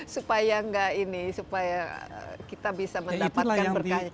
supaya nggak ini supaya kita bisa mendapatkan berkarya